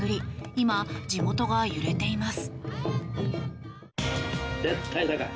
今、地元が揺れています。